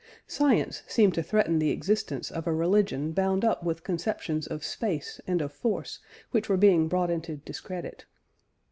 Science seemed to threaten the existence of a religion bound up with conceptions of space and of force which were being brought into discredit.